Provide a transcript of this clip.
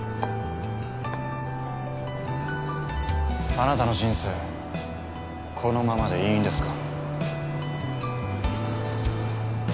あなたの人生このままでいいんですか？